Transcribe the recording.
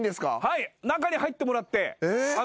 はい中に入ってもらって。